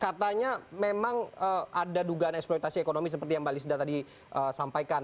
katanya memang ada dugaan eksploitasi ekonomi seperti yang mbak lisda tadi sampaikan